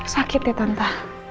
sakit ya tante